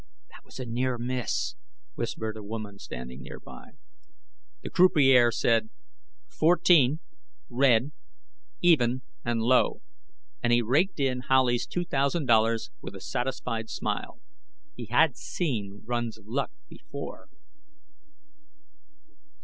"That was a near miss," whispered a woman standing nearby. The croupier said: "Fourteen, Red, Even, and Low." And he raked in Howley's two thousand dollars with a satisfied smile. He had seen runs of luck before.